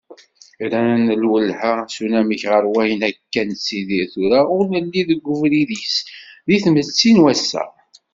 Rran lwelha s unamek ɣer wayen akka nettidir tura ur nelli deg ubrid-is di tmetti n wass-a.